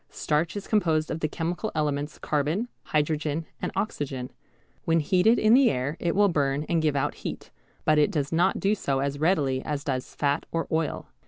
Starch is composed of the chemical elements carbon, hydrogen, and oxygen. When heated in the air it will burn and give out heat, but it does not do so as readily as does fat or oil.